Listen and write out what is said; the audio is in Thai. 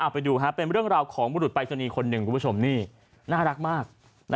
ไปดูเป็นเรื่องราวของบุรุษปรายศนีย์คนหนึ่งน่ารักมาก